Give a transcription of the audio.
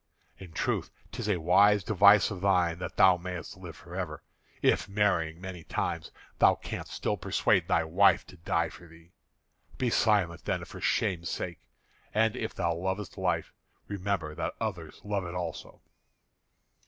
In truth, 'tis a wise device of thine that thou mayest live forever, if marrying many times, thou canst still persuade thy wife to die for thee. Be silent, then, for shame's sake; and if thou lovest life, remember that others love it also."